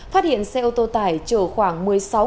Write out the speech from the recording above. phát hiện xe ô tô tải chở khoảng